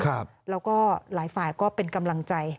แล้วก็หลายฝ่ายก็เป็นกำลังใจ